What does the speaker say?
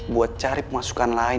buat cari pemasukan lain